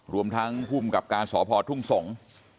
รวมทั้งภูมิกับการสพทุ่งสงศ์